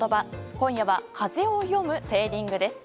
今夜は、風を読むセーリングです。